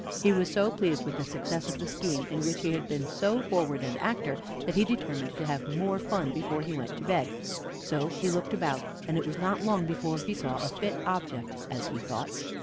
He was so pleased with the success of the scheme in which he had been so forward an actor that he determined to have more fun before he went to bed; so he looked about, and it was not long before he saw a fit object, as he thought.